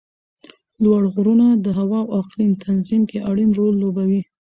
لوړ غرونه د هوا او اقلیم تنظیم کې اړین رول لوبوي